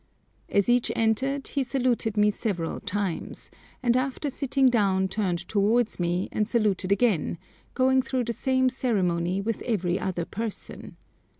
As each entered he saluted me several times, and after sitting down turned towards me and saluted again, going through the same ceremony with every other person.